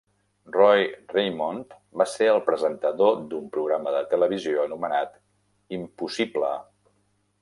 Roy Raymond va ser el presentador d'un programa de televisió anomenat "Impossible..."